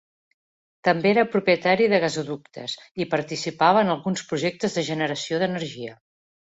També era propietari de gasoductes i participava en alguns projectes de generació d'energia.